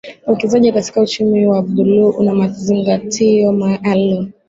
Uwekezaji katika uchumi wa buluu una mazingatio maalum